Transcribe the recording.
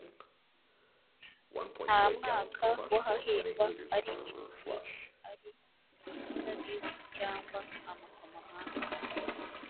nta mwaka wahahingwa, ari imitini, ari imizabibu cyangwa amakomamanga.